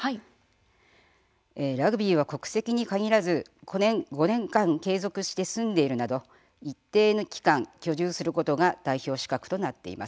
ラグビーは国籍に限らず５年間、継続して住んでいるなど一定の期間、居住することが代表資格となっています。